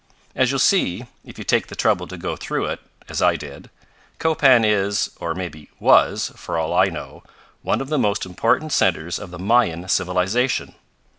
"As you'll see, if you take the trouble to go through it, as I did, Copan is, or maybe was, for all I know, one of the most important centers of the Mayan civilization."